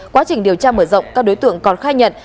quá trình điều tra mở rộng các đối tượng còn khai nhận